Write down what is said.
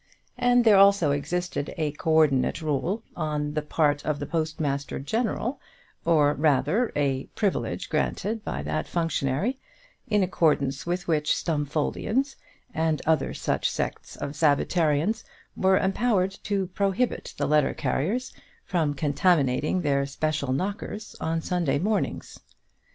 And there also existed a coordinate rule on the part of the Postmaster General, or, rather, a privilege granted by that functionary, in accordance with which Stumfoldians, and other such sects of Sabbatarians, were empowered to prohibit the letter carriers from contaminating their special knockers on Sunday mornings.